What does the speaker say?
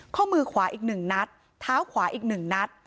ข้อมือขวาอีก๑นัดเท้าขวาอีก๑นัด